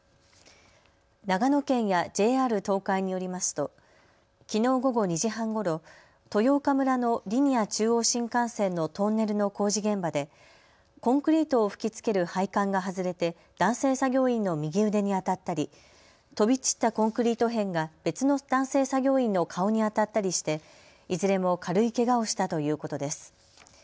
長野県やＪＲ東海によりますときのう午後２時半ごろ、豊丘村のリニア中央新幹線のトンネルの工事現場でコンクリートを吹きつける配管が外れて男性作業員の右腕に当たったり飛び散ったコンクリート片が別の男性作業員の顔に当たったりしていずれも軽いけがをしたということです。